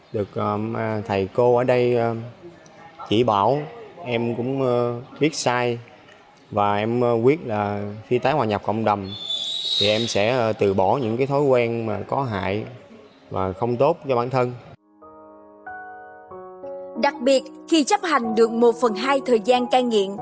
đặc biệt khi chấp hành được một phần hai thời gian ca nghiện